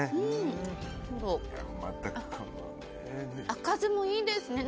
赤酢もいいですね。